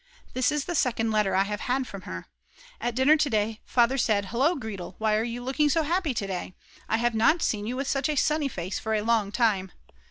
_ This is the second letter I have had from her! At dinner to day Father said: "Hullo, Gretel, why are you looking so happy to day? I have not seen you with such a sunny face for a long time."